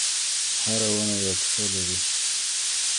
هره ونه یوه کیسه لري.